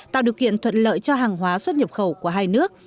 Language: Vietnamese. tạo điều kiện thuận lợi cho hàng hóa xuất nhập khẩu của hai nước